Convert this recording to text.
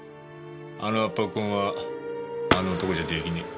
あの圧迫痕はあの男じゃ出来ねえ。